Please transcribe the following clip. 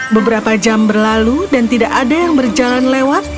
beberapa jam berlalu dan tidak ada yang berjalan lewat